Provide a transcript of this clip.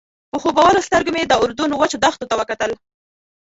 په خوبولو سترګو مې د اردن وچو دښتو ته وکتل.